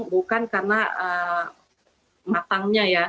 bukan karena matangnya ya